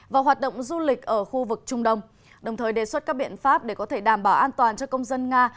và hoạt động du lịch ở khu vực trung đông đồng thời đề xuất các biện pháp để có thể đảm bảo an toàn cho công dân nga